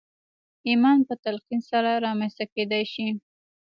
ايمان په تلقين سره رامنځته کېدای شي.